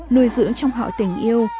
nuôi dưỡng trong họ tình yêu